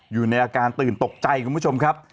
อยู่ในอาการตื่นตกใจคุณผู้ชมครับ